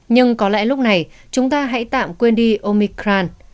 nhưng có lẽ lúc này chúng ta hãy tạm quên đi omicran